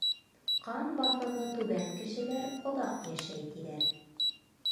Ҡан баҫымы түбән кешеләр оҙаҡ йәшәй, тиҙәр.